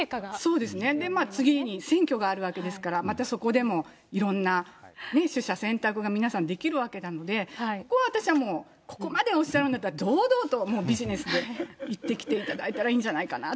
そうですね、次に選挙があるわけですから、またそこでもいろんな取捨選択が皆さんできるわけなので、ここは私はもう、ここまでおっしゃるんだったら、堂々ともうビジネスで行ってきていただいたらいいんじゃないかな